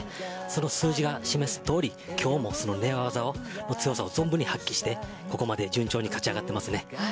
その数字が示すとおり今日も寝技の強さを存分に発揮してここまで順調に勝ち上がっていますね。